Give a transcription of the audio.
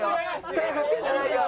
手振ってるんじゃないよ。